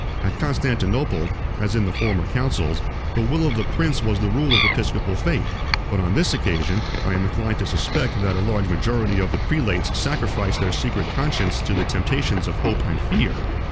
At Constantinople, as in the former councils, the will of the prince was the rule of episcopal faith; but on this occasion, I am inclined to suspect that a large majority of the prelates sacrificed their secret conscience to the temptations of hope and fear.